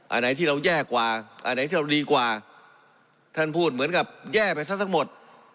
อันไหนที่เราแย่กว่าอันไหนที่เราดีกว่าท่านพูดเหมือนกับแย่ไปซะทั้งหมด